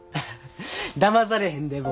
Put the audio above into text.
だまされへんで僕。